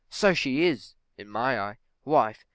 _ So she is, in my eye. _Wife.